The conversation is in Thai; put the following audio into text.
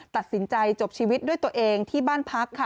ตัดสินใจจบชีวิตด้วยตัวเองที่บ้านพักค่ะ